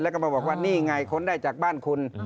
แล้วก็มาบอกว่านี่ไงค้นได้จากบ้านคุณ